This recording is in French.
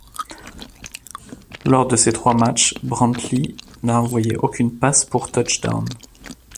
Lors de ses trois matchs, Brantley n'a envoyé aucune passe pour touchdown.